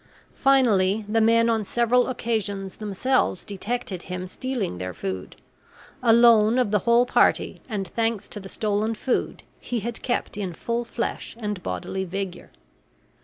Finally, the men on several occasions themselves detected him stealing their food. Alone of the whole party, and thanks to the stolen food, he had kept in full flesh and bodily vigor.